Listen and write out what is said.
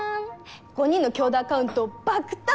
５人の共同アカウント爆誕っ！